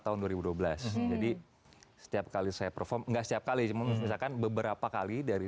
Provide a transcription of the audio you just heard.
tahun dua ribu dua belas jadi setiap kali saya perform nggak setiap kali misalkan beberapa kali dari